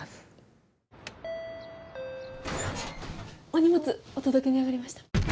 お荷物お届けに上がりました。